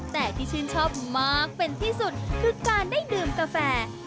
แต่ที่ชื่นชอบมากเป็นที่สุดคือการได้ดื่มกาแฟ